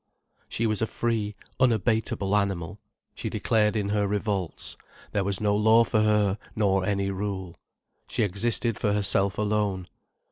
She was a free, unabateable animal, she declared in her revolts: there was no law for her, nor any rule. She existed for herself alone.